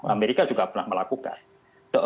amerika juga pernah melakukan